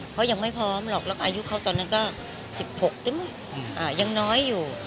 เขายังไม่พร้อมหรอกแล้วก็อายุเขาตอนนั้นก็๑๖ด้วยมั้งยังน้อยอยู่